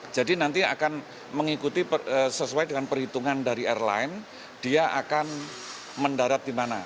jadi nanti akan mengikuti sesuai dengan perhitungan dari airline dia akan mendarat di mana